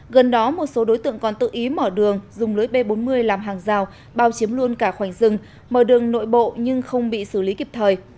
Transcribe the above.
gần đó một số đối tượng còn tự ý mở đường dùng lưới b bốn mươi làm hàng rào bao chiếm luôn cả khoảnh rừng mở đường nội bộ nhưng không bị xử lý kịp thời